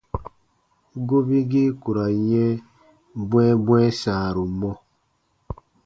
Gobigii ku ra n yɛ̃ bwɛ̃ɛbwɛ̃ɛ sãaru mɔ.